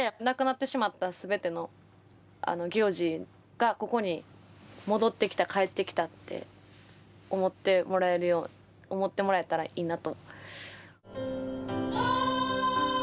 なくなってしまった全ての行事がここに戻ってきた帰ってきたって思ってもらえるように思ってもらえたらいいなと。